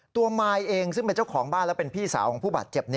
มายเองซึ่งเป็นเจ้าของบ้านและเป็นพี่สาวของผู้บาดเจ็บ